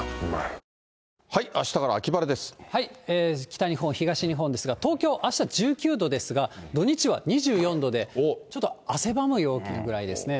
北日本、東日本ですが、東京、あした１９度ですが、土日は２４度で、ちょっと汗ばむ陽気ぐらいですね。